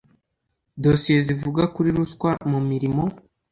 Dosiye zivuga kuri ruswa mu mirimo.